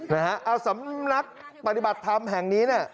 นะฮะเอาสำนักปฏิบัติธรรมแห่งนี้เนี่ย